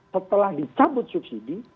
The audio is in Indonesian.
setelah dicabut subsidi